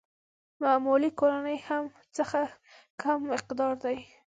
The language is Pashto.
معمولي کورنيو څخه کم مقدار دي.